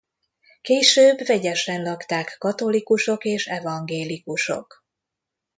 Később vegyesen lakták katolikusok és evangélikusok.